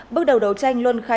bước đầu đấu tranh luân khai